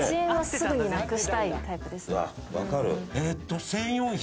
分かる。